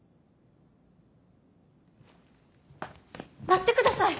待ってください！